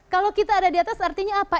kalau kita ada di atas artinya apa